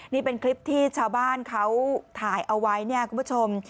นี่เป็นคลิปที่ชาวบ้านเขาถ่ายเอาไว้เนี่ยคุณผู้ชม